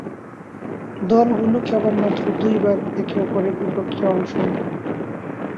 দলগুলো কেবলমাত্র দুইবার একে-অপরের বিপক্ষে অংশ নেয়।